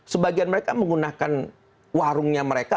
sebagian mereka menggunakan warungnya mereka